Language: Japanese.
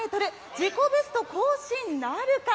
自己ベスト更新なるか。